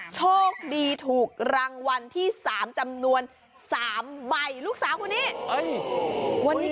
โชคดีถูกรางวัลที่๓จำนวน๓ใบลูกสาวคนนี้